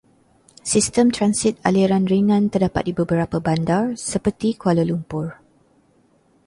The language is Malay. Sistem transit aliran ringan terdapat di beberapa bandar, seperti Kuala Lumpur.